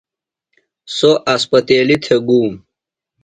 سوۡ اسپتیلیۡ تھےۡ گُوم۔